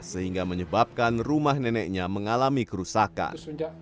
sehingga menyebabkan rumah neneknya mengalami kerusakan